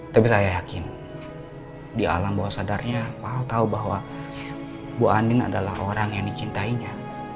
tapi saya yakin di alam bawah sadarnya pak ahok tahu bahwa bu andin adalah orang yang dicintainya